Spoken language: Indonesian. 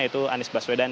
yaitu anies baswedan